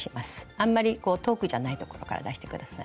あんまり遠くじゃないところから出して下さい。